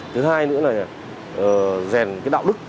thứ hai nữa là rèn cái đạo đức